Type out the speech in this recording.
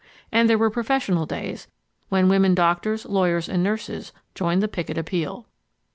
And there were professional days when women doctors, lawyers and nurses joined the picket appeal.